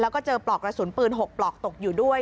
แล้วก็เจอปลอกกระสุนปืน๖ปลอกตกอยู่ด้วย